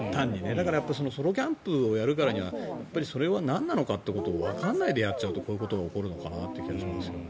だからソロキャンプをやるからにはそれはなんなのかっていうことをわからないでやっちゃうとこういうことが起きるのかなと思いますね。